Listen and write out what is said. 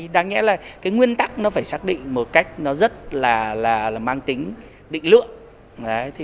đáng nhẽ là cái nguyên tắc nó phải xác định một cách nó rất là mang tính định lượng